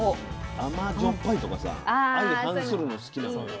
甘じょっぱいとかさ相反するの好きなのよ。